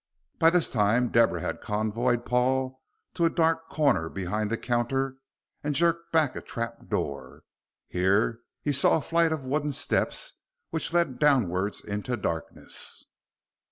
By this time Deborah had convoyed Paul to a dark corner behind the counter and jerked back a trap door. Here he saw a flight of wooden steps which led downwards into darkness.